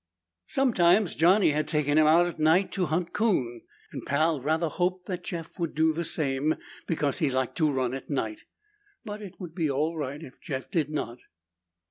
Sometimes Johnny had taken him out at night to hunt coon, and Pal rather hoped that Jeff would do the same because he liked to run at night. But it would be all right if Jeff did not.